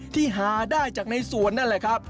ที่หาได้จากในสวนนั่นแหละครับ